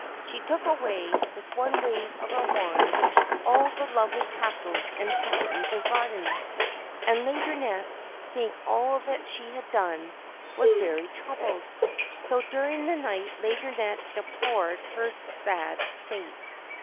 She took away, with one wave of her wand, all the lovely castles and fountains and gardens. And Laideronnette, seeing all that she had done, was very troubled. So, during the night, Laideronnette deplored her sad fate.